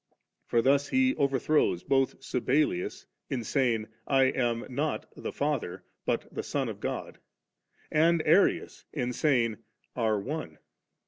For thus He over throws both Sabellius, in saying, ' I am ' not, "the Father," but, 'the Son of God;' and Arius, in saying, * are One.'